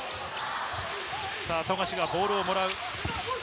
富樫がボールをもらう。